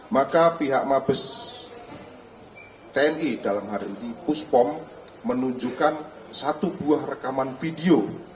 maka pihak mabes tni dalam hari ini puspom menunjukkan satu buah rekaman video